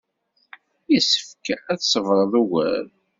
Yessefk ad tṣebreḍ ugar.